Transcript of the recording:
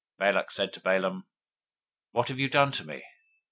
023:011 Balak said to Balaam, What have you done to me?